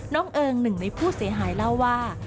เอิงหนึ่งในผู้เสียหายเล่าว่า